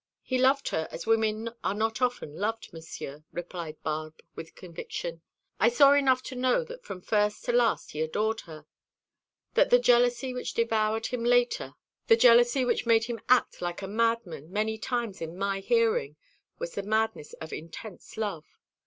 "He loved her as women are not often loved, Monsieur," replied Barbe, with conviction. "I saw enough to know that from first to last he adored her; that the jealousy which devoured him later the jealousy which made him act like a madman many times in my hearing was the madness of intense love.